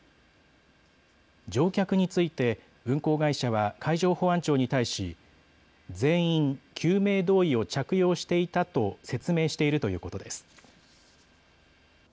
乗客について運航会社は海上保安庁に対し全員、救命胴衣を着用していたと説明しているということです。